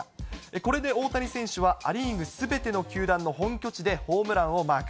これで大谷選手はア・リーグすべての球団の本拠地でホームランをマーク。